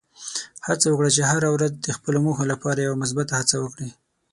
هڅه وکړه چې هره ورځ د خپلو موخو لپاره یوه مثبته هڅه وکړې.